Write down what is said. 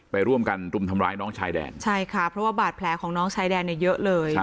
ไปร่วมกันรุมทำร้ายน้องชายแดนใช่ค่ะเพราะว่าบาดแผลของน้องชายแดนเนี่ยเยอะเลย